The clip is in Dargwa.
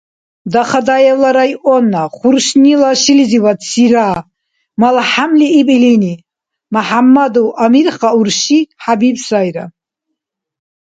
— Дахадаевла районна Хуршнила шилизивадсира,— малхӏямли иб илини. — Мяхӏяммадов Амирха урши Хӏябиб сайра.